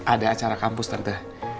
ada acara kampus tante